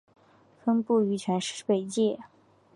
分布于全北界。